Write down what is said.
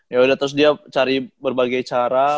yaudah terus dia cari berbagai cara